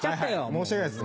申し訳ないです。